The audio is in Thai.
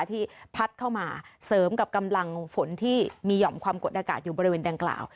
ที่พัดเข้ามาเสริมกับกำลังฝนที่มีหย่อมความกดอากาศอยู่บริเวณดังกล่าว